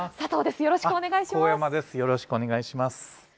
よろしくお願いします。